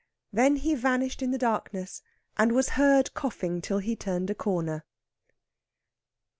Then he vanished in the darkness, and was heard coughing till he turned a corner.